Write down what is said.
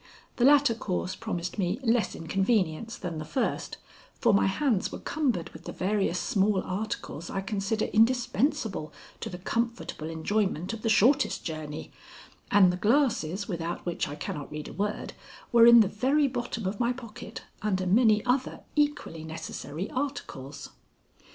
The latter course promised me less inconvenience than the first, for my hands were cumbered with the various small articles I consider indispensable to the comfortable enjoyment of the shortest journey, and the glasses without which I cannot read a word, were in the very bottom of my pocket under many other equally necessary articles.